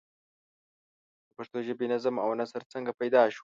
د پښتو ژبې نظم او نثر څنگه پيدا شو؟